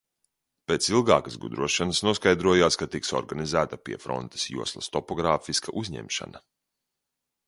Pēc ilgākas gudrošanas noskaidrojās, ka tiks organizēta piefrontes joslas topogrāfiska uzņemšana.